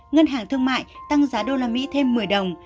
ngân hàng thương mại tăng giá đô la mỹ thêm một mươi đồng